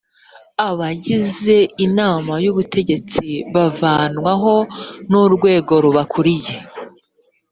abagize inama y’ubutegetsi bavanwaho n’urwego rubakuriye